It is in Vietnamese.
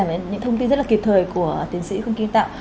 và những thông tin rất là kịp thời của tiến sĩ khương kỳ tạo